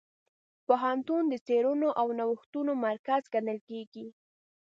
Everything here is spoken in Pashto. پوهنتون د څېړنو او نوښتونو مرکز ګڼل کېږي.